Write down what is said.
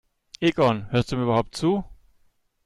Egon, hörst du mir überhaupt zu?